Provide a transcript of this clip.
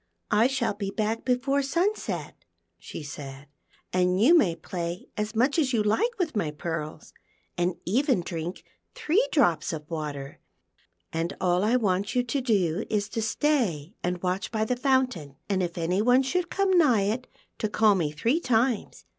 " I shall be back before sunset," she said, " and you can play as much as you like with my pearls, and even drink three drops of water, and all I want you to do is to stay and watch by the fountain, and if any one should come nigh it to call me three times.